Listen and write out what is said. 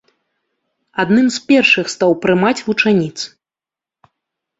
Адным з першых стаў прымаць вучаніц.